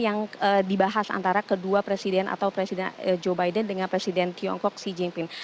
yang dibahas antara kedua presiden atau presiden joe biden dengan presiden tiongkok xi jinping